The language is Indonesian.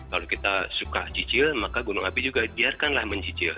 kalau kita suka cicil maka gunung api juga biarkanlah mencicil